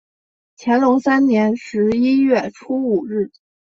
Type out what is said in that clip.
乾隆三年十一月初五日。